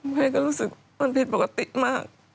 เมื่อกี้ก็รู้สึกว่ามันผิดปกติมาก